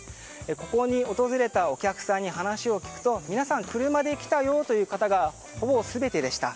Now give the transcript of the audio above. ここに訪れたお客さんに話を聞くと皆さん、車で来たよという方がほぼ全てでした。